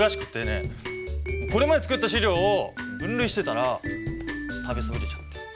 これまで作った資料を分類してたら食べそびれちゃって。